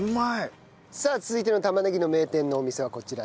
さあ続いての玉ねぎの名店のお店はこちらです。